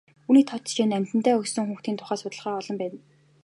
Үүний тод жишээ амьтантай өссөн хүүхдийн тухай судалгаа олон байна.